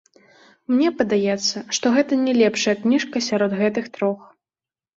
Мне падаецца, што гэта не лепшая кніжка сярод гэтых трох.